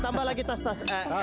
tambah lagi tas tas